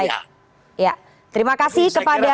baik ya terima kasih kepada